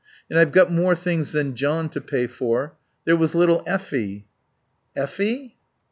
And I've got more things than John to pay for. There was little Effie." "Effie?"